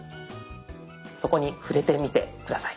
そこに触れてみて下さい。